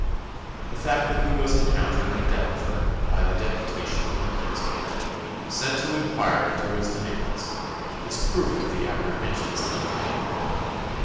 The fact that he was encountered at Deptford by a deputation from the Council, sent to inquire into his demands, is proof of the apprehensions entertained.